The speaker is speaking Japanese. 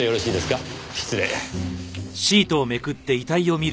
失礼。